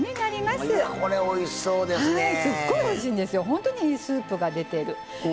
ほんとにいいスープが出てる。